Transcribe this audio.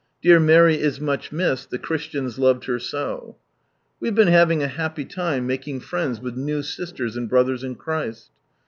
Dear Mary is much missed, the Christians ioved her so. We have been having a happy time making friends with new sisters and brothers in Christ.